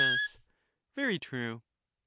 Very true. Str.